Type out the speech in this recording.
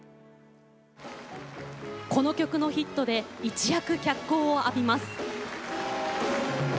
この曲のヒットで一躍、脚光を浴びます。